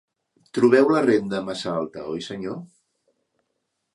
Trobeu la renda massa alta, oi, senyor?